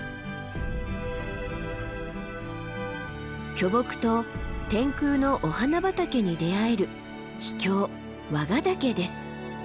巨木と天空のお花畑に出会える秘境和賀岳です。